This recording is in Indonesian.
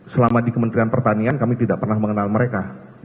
selama di kementerian pertanian kami tidak pernah mengenal mereka